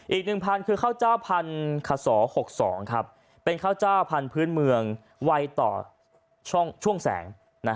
อีกหนึ่งพันธุ์คือข้าวเจ้าพันธุ์ขส๖๒ครับเป็นข้าวเจ้าพันธุ์พื้นเมืองไวต่อช่วงแสง